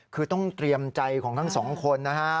คือต้องเตรียมใจของทั้งสองคนนะฮะ